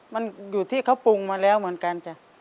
มันอยู่ที่เขาปรุงมาแล้วเหมือนกันจ้ะ